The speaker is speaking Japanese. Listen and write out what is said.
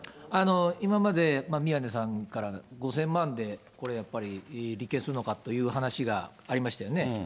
今まで、宮根さんから５０００万円で、これ、やっぱり立件するのかという話がありましたよね。